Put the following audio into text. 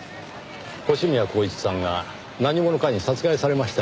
星宮光一さんが何者かに殺害されました。